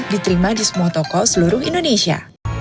diterima di semua toko seluruh indonesia